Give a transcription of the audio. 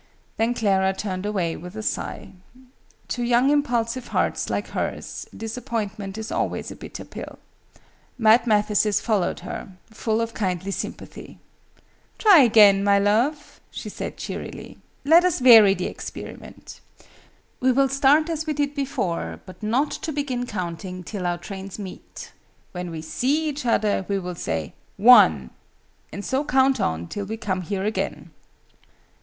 Then Clara turned away with a sigh. To young impulsive hearts, like hers, disappointment is always a bitter pill. Mad Mathesis followed her, full of kindly sympathy. "Try again, my love!" she said, cheerily. "Let us vary the experiment. We will start as we did before, but not to begin counting till our trains meet. When we see each other, we will say 'One!' and so count on till we come here again."